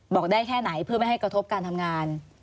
บอกได้แค่ไหนเพื่อไม่ให้กระทบการทำงาน